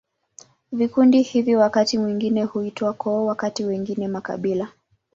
Vikundi hivi wakati mwingine huitwa koo, wakati mwingine makabila.